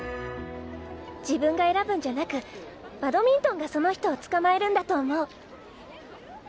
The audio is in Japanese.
自分が選ぶんじゃなくバドミントンがその人をつかまえるんだと思う。